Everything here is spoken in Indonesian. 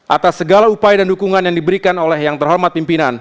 atas segala upaya dan dukungan yang diberikan oleh yang terhormat pimpinan